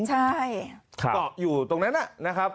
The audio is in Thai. ใช่ค่ะออกอยู่ตรงนั้นน่ะนะครับ